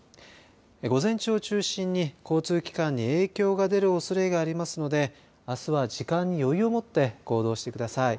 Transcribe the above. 午前中を中心に交通機関に影響が出るおそれがありますのであすは時間に余裕をもって行動してください。